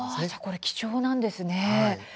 じゃあこれ貴重なんですね。